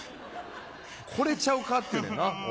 「これちゃうか」って言うねんな。